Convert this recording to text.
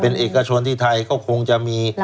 เป็นเอกชนที่ไทยก็คงจะมี